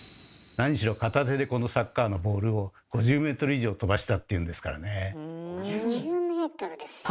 何しろ片手でこのサッカーのボールを５０ｍ以上飛ばしたっていうんですからね。